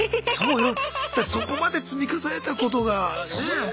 だってそこまで積み重ねたことがねえ！